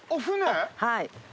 はい。